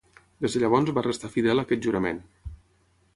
Des de llavors va restar fidel a aquest jurament.